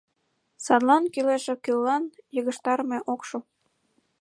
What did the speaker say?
Садлан кӱлеш-оккӱллан йыгыжтарыме ок шу.